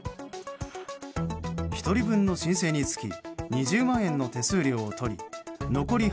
１人分の申請につき２０万円の手数料を取り残り